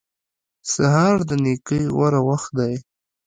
سهار د نېکۍ غوره وخت دی.